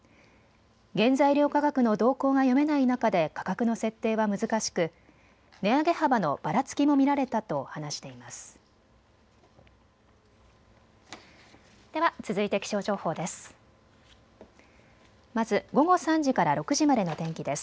原材料価格の動向が読めない中で価格の設定は難しく値上げ幅のばらつきも見られたと話しています。